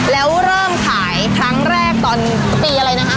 แล้วเริ่มขายครั้งแรกตอนปีอะไรนะคะ